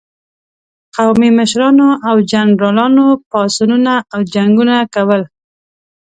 قومي مشرانو او جنرالانو پاڅونونه او جنګونه کول.